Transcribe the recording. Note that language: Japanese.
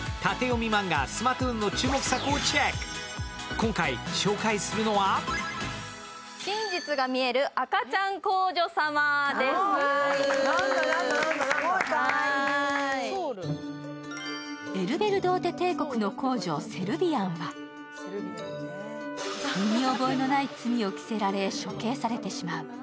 今回、紹介するのはエルベルドーテ帝国の皇女・セルビアンは身に覚えのない罪を着せられ処刑されてしまう。